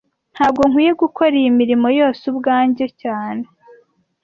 Ntago nkwiye gukora iyi mirimo yose ubwanjye cyane